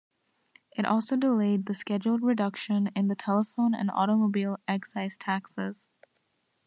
It also delayed the scheduled reduction in the telephone and automobile excise taxes.